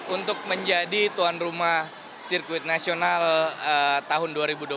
untuk menjadi tuan rumah sirkuit nasional tahun dua ribu dua puluh tiga